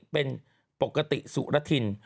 เป็นปกติสุรทิน